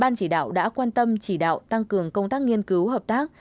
ban chỉ đạo đã quan tâm chỉ đạo tăng cường công tác nghiên cứu hợp tác